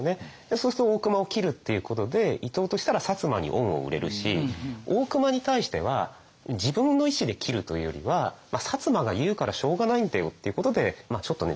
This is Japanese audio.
そうすると大隈を切るっていうことで伊藤としたら摩に恩を売れるし大隈に対しては自分の意志で切るというよりは摩が言うからしょうがないんだよっていうことでちょっとね